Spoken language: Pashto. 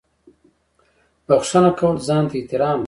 • بښنه کول ځان ته احترام دی.